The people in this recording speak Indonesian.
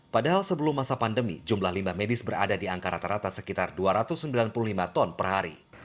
padahal sebelum masa pandemi jumlah limbah medis berada di angka rata rata sekitar dua ratus sembilan puluh lima ton per hari